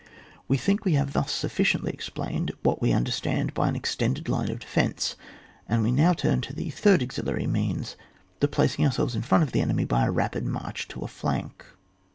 We think we have thus suffi ciently explained what we imderstand by an extended line of defence, and we now turn to the third auxiliary means, the placing ourselves in frx>nt of the enemy by a rapid march to a flank.